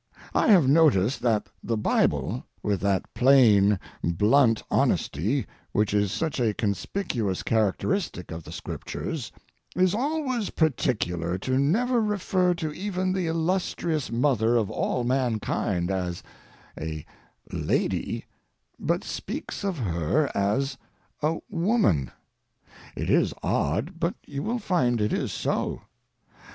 I have noticed that the Bible, with that plain, blunt honesty which is such a conspicuous characteristic of the Scriptures, is always particular to never refer to even the illustrious mother of all mankind as a "lady," but speaks of her as a woman. It is odd, but you will find it is so.